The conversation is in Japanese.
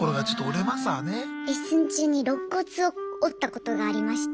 レッスン中にろっ骨を折ったことがありまして。